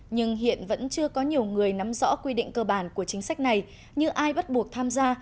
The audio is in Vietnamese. nhưng hiện vẫn chưa có nhiều người nắm rõ quy định cơ bản của chính sách này như ai bắt buộc tham gia